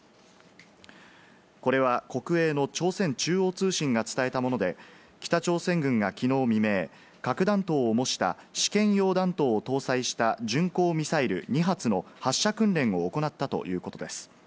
これは、国営の朝鮮中央通信が伝えたもので、北朝鮮軍がきのう未明、核弾頭を模した試験用弾頭を搭載した巡航ミサイル２発の発射訓練を行ったということです。